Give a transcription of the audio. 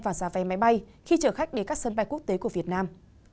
và giả vay máy bay khi chở khách đến các sân bay quốc tế của việt nam